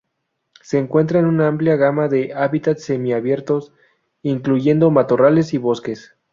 Se encuentra en una amplia gama de hábitats semi-abiertos, incluyendo matorrales y bosques.